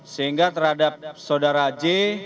sehingga terhadap saudara j